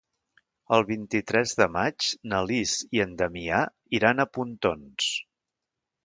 El vint-i-tres de maig na Lis i en Damià iran a Pontons.